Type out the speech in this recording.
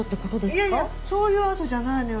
いやいやそういう痕じゃないのよ。